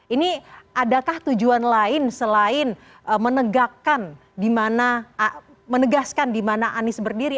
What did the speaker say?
ini adakah tujuan lain selain menegaskan di mana anies berdiri